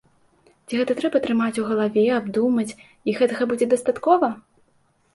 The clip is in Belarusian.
Ці гэта трэба трымаць у галаве, абдумаць, і гэтага будзе дастаткова?